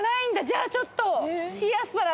じゃあちょっと。